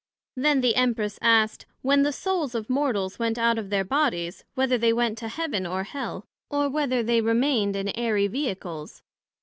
Then the Empress asked, When the Souls of Mortals went out of their Bodies, whether they went to Heaven or Hell; or whether, they remained in airy Vehicles?